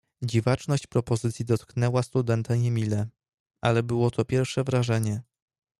"Dziwaczność propozycji dotknęła studenta niemile, ale było to pierwsze wrażenie."